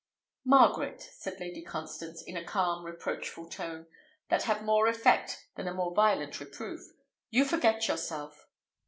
"Margaret," said Lady Constance, in a calm, reproachful tone, that had more effect than a more violent reproof, "you forget yourself."